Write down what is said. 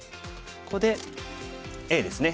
ここでＡですね。